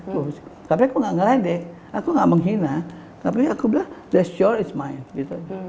tapi aku gak ngelain deh aku gak menghina tapi aku bilang that s yours it s mine